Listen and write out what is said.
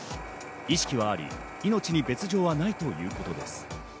意識はあり命に別状はないということです。